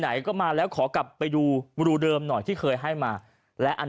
ไหนก็มาแล้วขอกลับไปดูรูเดิมหน่อยที่เคยให้มาและอัน